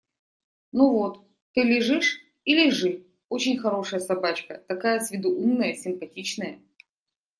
– Ну вот! Ты лежишь? И лежи… Очень хорошая собачка… такая с виду умная, симпатичная.